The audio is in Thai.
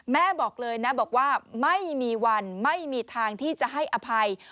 บอกเลยนะบอกว่าไม่มีวันไม่มีทางที่จะให้อภัย